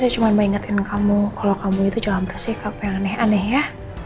saya cuma mau ingetin kamu kalau kamu itu jangan bersikap yang aneh aneh ya